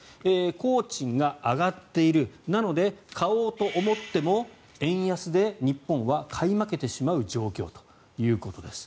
工賃が上がっているなので、買おうと思っても円安で日本は買い負けてしまう状況ということです。